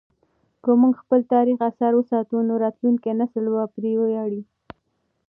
که موږ خپل تاریخي اثار وساتو نو راتلونکی نسل به پرې ویاړي.